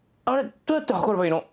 どうやって測ればいいの？